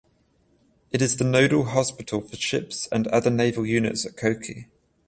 It is the nodal hospital for ships and other naval units at Kochi.